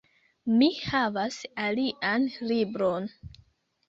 Mi havas alian libron